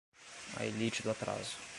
A elite do atraso